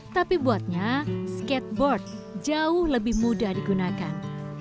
tapi buatnya skateboard jauh lebih mudah digunakan